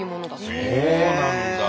そうなんだ。